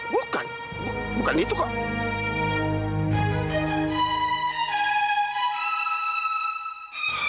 bukan bukan itu kok